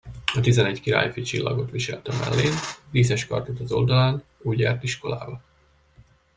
A tizenegy királyfi csillagot viselt a mellén, díszes kardot az oldalán, úgy járt iskolába.